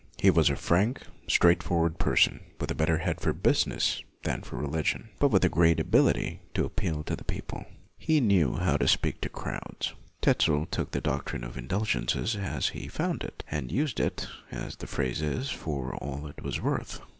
He was a frank, straightforward person, with a better head for business than for religion, but with a great ability to appeal to the people. He knew how to speak to crowds. Tetzel took the doctrine of indulgences as he found it, and used it, as the phrase is, for all it was worth.